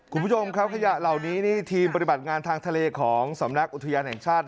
คุณผู้ชมครับขยะเหล่านี้นี่ทีมปฏิบัติงานทางทะเลของสำนักอุทยานแห่งชาติ